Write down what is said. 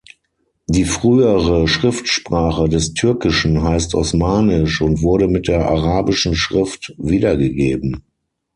Die frühere Schriftsprache des Türkischen heißt Osmanisch und wurde mit der arabischen Schrift wiedergegeben.